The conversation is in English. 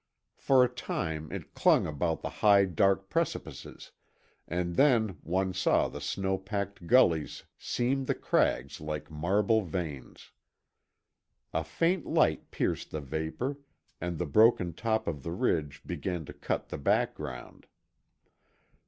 For a time it clung about the high dark precipices, and then one saw the snow packed gullies seam the crags like marble veins. A faint light pierced the vapor, and the broken top of the ridge began to cut the background.